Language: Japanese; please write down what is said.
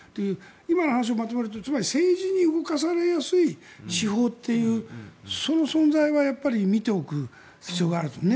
今の話をまとめると政治に動かされやすい司法というその存在は見ておく必要がありますよね。